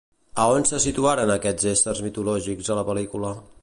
A on se situaren aquests éssers mitològics a la pel·lícula?